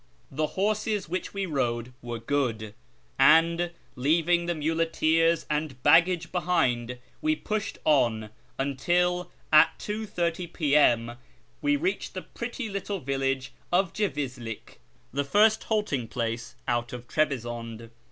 The horses which we rode were good, and, leaving the muleteers and baggage behind, we pushed on until, at 2.30 p.m., we reached the pretty little village of Jevizlik, the first halting place out of Trebizonde.